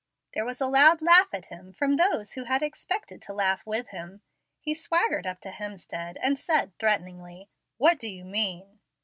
There was a loud laugh at him from those who had expected to laugh with him. He swaggered up to Hemstead, and said threateningly, "What do you mean?"